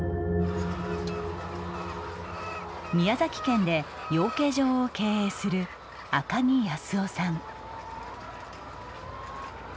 宮崎県で養鶏場を経営する赤木八寿夫さん。